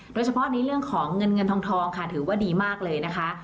โดยเฉพาะในเรื่องของเงินเงินทองค่ะถือว่าดีมากเลยนะคะ